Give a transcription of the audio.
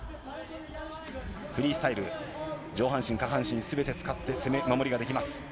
フリースタイル、上半身、下半身すべて使って、攻め、守りができます。